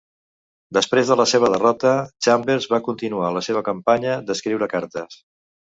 Després de la seva derrota, Chambers va continuar la seva campanya d'escriure cartes.